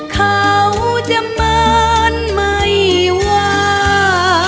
เขาจะเหมือนไม่ว่า